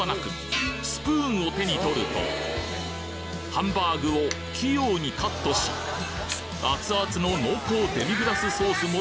スプーンを手に取るとハンバーグを器用にカットし熱々の濃厚デミグラスソース